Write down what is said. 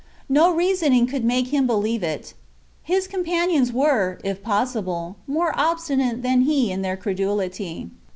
No reasoning could make him believe it. His companions were, if possible, more obstinate than he in their credulity.